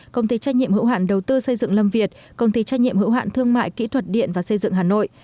công ty trách nhiệm hữu hạn đầu tư xây dựng lâm việt công ty trách nhiệm hữu hạn thương mại kỹ thuật điện và xây dựng hà nội